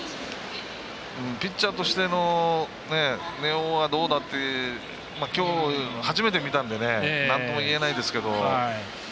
ピッチャーとしての根尾はどうだってきょう、初めて見たんでなんともいえないですけど。